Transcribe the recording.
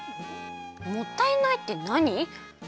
「もったいない」ってなに？